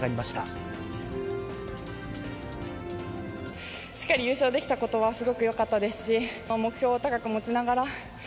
しっかり優勝できたことはすごくよかったですし、目標を高く持ちながら、